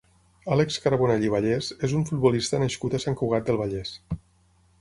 Àlex Carbonell i Vallès és un futbolista nascut a Sant Cugat del Vallès.